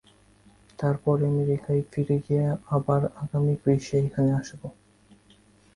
তারপর আমেরিকায় ফিরে গিয়ে আবার আগামী গ্রীষ্মে এখানে আসব।